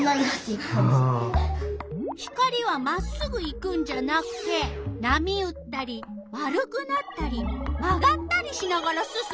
光はまっすぐ行くんじゃなくてなみうったり丸くなったりまがったりしながらすすむ！？